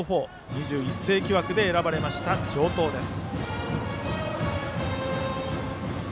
２１世紀枠で選ばれた城東です。